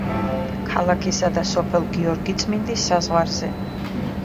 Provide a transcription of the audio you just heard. ქალაქისა და სოფელ გიორგიწმინდის საზღვარზე.